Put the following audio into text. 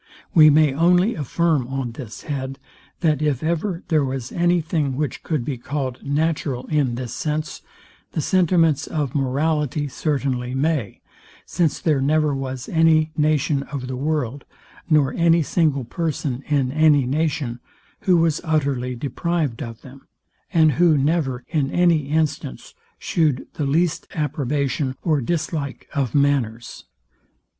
We may only affirm on this head, that if ever there was any thing, which could be called natural in this sense, the sentiments of morality certainly may; since there never was any nation of the world, nor any single person in any nation, who was utterly deprived of them, and who never, in any instance, shewed the least approbation or dislike of manners.